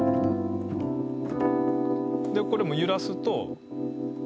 これも揺らすと。